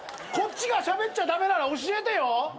こっちがしゃべっちゃ駄目なら教えてよ！